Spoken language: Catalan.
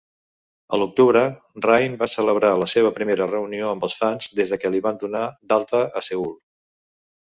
A l"octubre, Rain va celebrar la seva primera reunió amb els fans des de que li van donar d"alta a Seül.